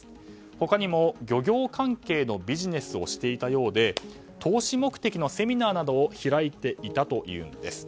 他にも、漁業関係のビジネスをしていたようで投資目的のセミナーなどを開いていたというんです。